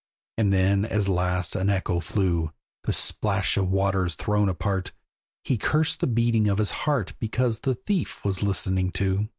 And then as last an echo flew, The splash of waters thrown apart; He cursed the beating of his heart Because the thief was listening too.